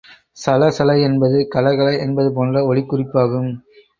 சல சல என்பது கல கல என்பது போன்ற ஒலிக் குறிப்பாகும்.